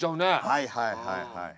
はいはいはいはい。